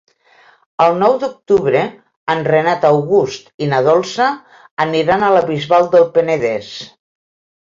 El nou d'octubre en Renat August i na Dolça aniran a la Bisbal del Penedès.